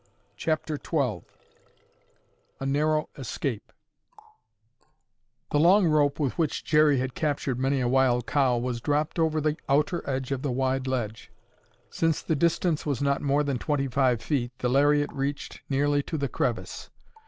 CHAPTER XII A NARROW ESCAPE The long rope with which Jerry had captured many a wild cow was dropped over the outer edge of the wide ledge. Since the distance was not more than twenty five feet, the lariat reached nearly to the crevice.